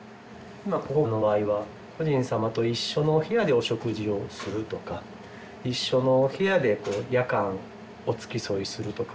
ここの場合は故人様と一緒のお部屋でお食事をするとか一緒のお部屋で夜間お付き添いするとか。